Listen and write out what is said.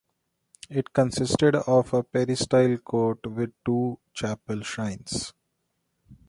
It consisted of a peristyle court with two chapel shrines.